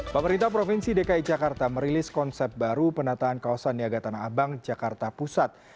pemerintah provinsi dki jakarta merilis konsep baru penataan kawasan niaga tanah abang jakarta pusat